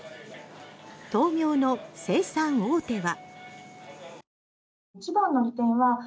豆苗の生産大手は。